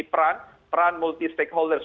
peran peran multi stakeholders